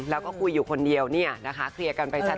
แล้วก็คุยอยู่คนเดียวคลียร์กันไปชัด